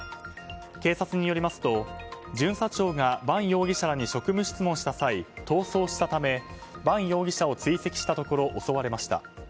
警察によりますと巡査長がバン容疑者らに職務質問した際、逃走したためバン容疑者を追跡したところ襲われました。